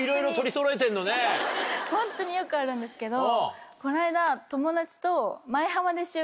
ホントによくあるんですけどこの間。